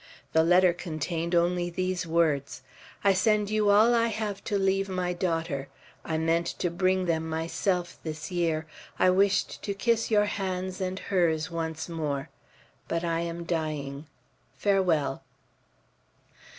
The letter contained only these words: "I send you all I have to leave my daughter. I meant to bring them myself this year. I wished to kiss your hands and hers once more. But I am dying. Farewell."